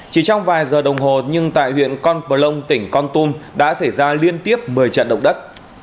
chỉ trong vài giờ đồng hồ nhưng tại huyện con plong tỉnh con tum đã xảy ra liên tiếp một mươi trận động đất